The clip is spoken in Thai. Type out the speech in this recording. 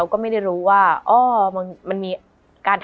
มันทำให้ชีวิตผู้มันไปไม่รอด